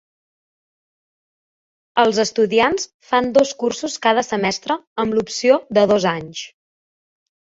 Els estudiants fan dos cursos cada semestre amb l'opció de dos anys.